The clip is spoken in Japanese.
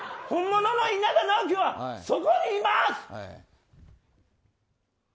本物の稲田直樹はそこにいます！